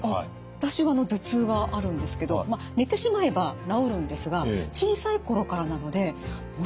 私は頭痛があるんですけどまあ寝てしまえば治るんですが小さい頃からなのでもしかすると。